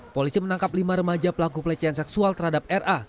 polisi menangkap lima remaja pelaku pelecehan seksual terhadap ra